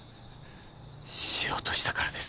しようとしたからです